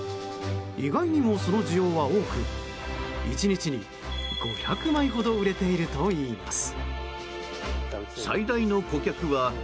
意外にも、その需要は多く１日に５００枚ほど売れているといいます。